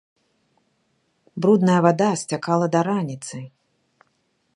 Брудная вада сцякала да раніцы.